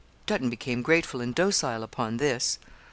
Dutton became grateful and docile upon this.